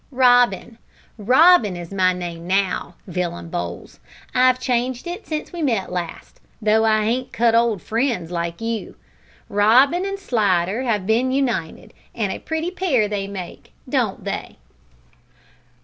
"Robin Robin is my name now, Villum Bowls. I've changed it since we met last, though I hain't cut old friends like you. Robin an' Slidder 'ave been united, an' a pretty pair they make, don't they?"